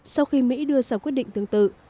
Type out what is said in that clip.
sau khi mỹ đưa ra quyết định tương tự